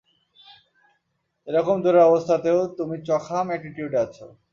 এরকম দুরাবস্থাতেও তুমি চখাম এটিটিউডে আছো।